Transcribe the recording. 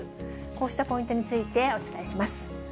こうしたポイントについてお伝えします。